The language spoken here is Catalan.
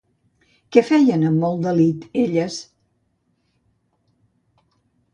Què feien amb molt delit elles?